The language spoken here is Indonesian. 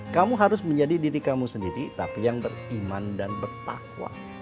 kamu harus menjadi diri kamu sendiri tapi yang beriman dan bertakwa